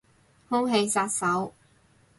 空氣殺手